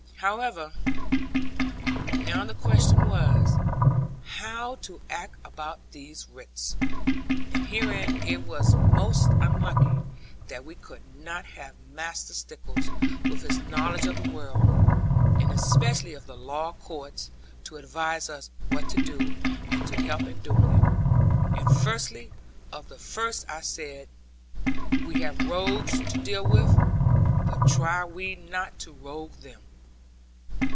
However, now the question was, how to act about these writs. And herein it was most unlucky that we could not have Master Stickles, with his knowledge of the world, and especially of the law courts, to advise us what to do, and to help in doing it. And firstly of the first I said, 'We have rogues to deal with; but try we not to rogue them.'